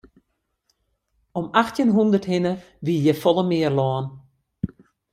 Om achttjin hûndert hinne wie hjir folle mear lân.